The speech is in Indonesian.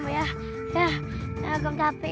oh ya agak mana